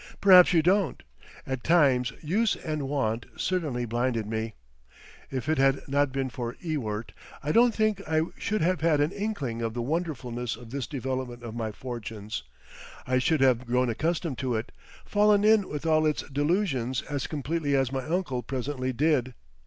Perhaps you don't. At times use and wont certainly blinded me. If it had not been for Ewart, I don't think I should have had an inkling of the wonderfulness of this development of my fortunes; I should have grown accustomed to it, fallen in with all its delusions as completely as my uncle presently did.